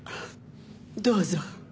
どうぞ。